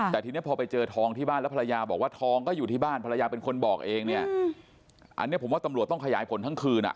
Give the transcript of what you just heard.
แต่ทีนี้พอไปเจอทองที่บ้านแล้วภรรยาบอกว่าทองก็อยู่ที่บ้านภรรยาเป็นคนบอกเองเนี่ยอันนี้ผมว่าตำรวจต้องขยายผลทั้งคืนอ่ะ